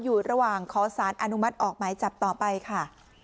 อยู่ระหว่างขอสารอนุมัติออกหมายจับต่อไปค่ะ